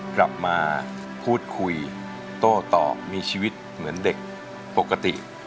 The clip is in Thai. กลับมาพูดคุยโต้ตอบมีชีวิตเหมือนเด็กปกติ